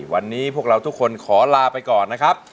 วันนี้พวกเราทุกคนขอลาไปก่อนนะครับ